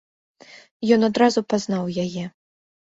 Ён адразу пазнаў яе.